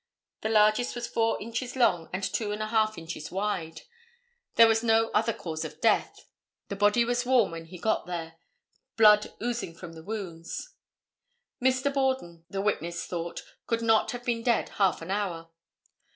The largest was four inches long and two and a half inches wide. There was no other cause of death. The body was warm when he got there, blood oozing from the wounds. Mr. Borden, the witness thought, could not have been dead half an hour.